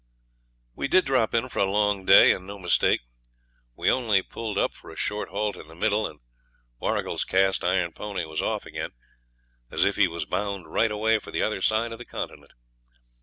We did drop in for a long day, and no mistake. We only pulled up for a short halt in the middle, and Warrigal's cast iron pony was off again, as if he was bound right away for the other side of the continent.